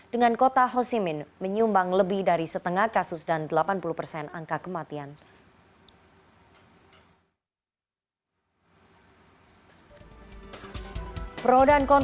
dengan kota hosimin menyumbang lebih dari setengah kasus dan delapan puluh persen angka kematian